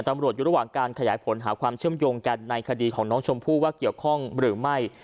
ตำรวจอยู่ระหว่างการขยายผลหาความเชื่อมโยงกันในคดีของน้องชมพู่ว่าเกี่ยวข้องหรือไม่